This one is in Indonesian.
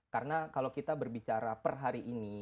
karena kalau kita berbicara per hari ini